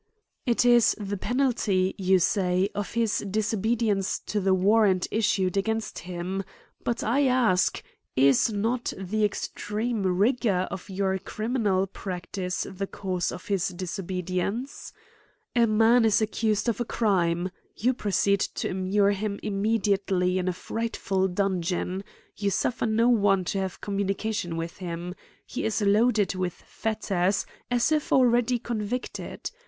It is the penalty, you say, of his disobedience to the warrant issued against him — But, I ask^ is not the extreme rigor of your criminal practice, the cause of his disobedience ? A man is ac cused of a crime, you proceed to immure him im mediately in a frightful dungeon ; you suffer no one to have communication with him ; he is loaded with fetters, as if already convicted.